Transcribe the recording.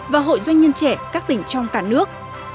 và hội doanh nhân trẻ các tỉnh trong cả nước